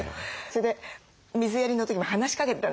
それで水やりの時も話しかけてた。